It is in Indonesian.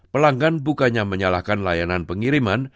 pelanggan bukannya menyalahkan layanan pengiriman